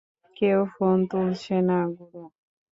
কেউ ফোন তুলছে না, গুরু।